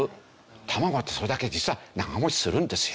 卵ってそれだけ実は長持ちするんですよ。